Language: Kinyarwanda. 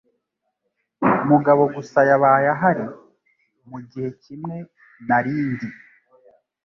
Mugabo gusa yabaye ahari mugihe kimwe nari ndi.